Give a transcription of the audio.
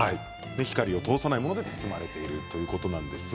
光を通さないもので包まれているということですね。